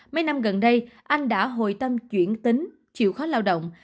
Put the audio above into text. mấy năm gần đây anh đã hồi tâm chuyển tính chịu khó lao động